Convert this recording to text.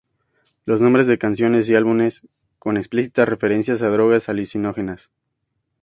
Los nombres de canciones y álbumes con explícitas referencias a drogas alucinógenas.